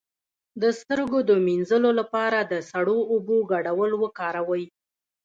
د سترګو د مینځلو لپاره د سړو اوبو ګډول وکاروئ